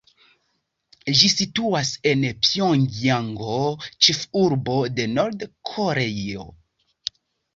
Ĝi situas en Pjongjango, ĉefurbo de Nord-Koreio.